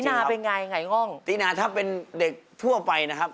นาเป็นไงหงายง่องตินาถ้าเป็นเด็กทั่วไปนะครับ